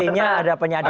intinya ada penyadapan